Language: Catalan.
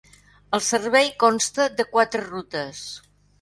El servei consta de quatre rutes.